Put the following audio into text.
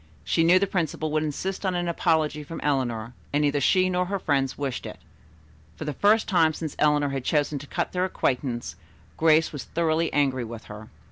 She knew the principal would insist on an apology from Eleanor, and neither she nor her friends wished it. For the first time since Eleanor had chosen to cut their acquaintance Grace was thoroughly angry with her.